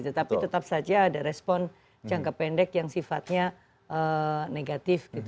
tetapi tetap saja ada respon jangka pendek yang sifatnya negatif